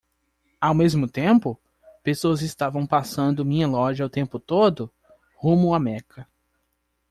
Ao mesmo tempo? pessoas estavam passando minha loja o tempo todo? rumo a Meca.